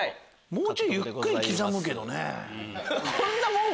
もうちょいゆっくり刻むけどね。